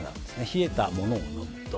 冷えたものを飲むと。